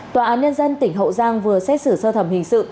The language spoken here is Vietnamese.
tòa án nhân dân tỉnh hậu giang vừa xét xử sơ thẩm hình sự